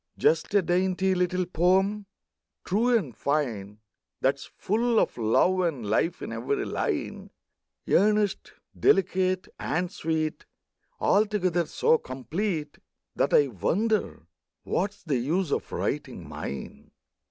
Just a dainty little poem, true and fine, That is full of love and life in every line, Earnest, delicate, and sweet, Altogether so complete That I wonder what's the use of writing mine.